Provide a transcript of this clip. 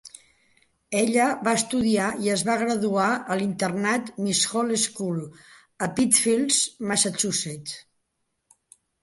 Ella va estudiar i es va graduar a l'internat Miss Hall's School, a Pittsfield, Massachusetts.